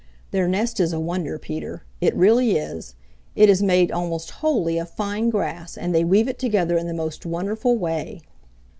Their nest is a wonder, Peter. It really is. It is made almost wholly of fine grass and they weave it together in the most wonderful way."